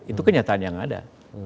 itu kenyataan yang ada